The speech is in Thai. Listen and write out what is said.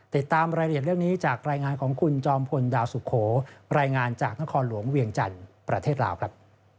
ติดตามรายละเอียดเรื่องนี้จากรายงานของคุณจอมพลดาวสุโขรายงานจากนครหลวงเวียงจันทร์ประเทศลาวครับ